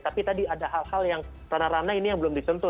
tapi tadi ada hal hal yang ranah rana ini yang belum disentuh